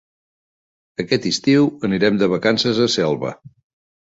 Aquest estiu anirem de vacances a Selva.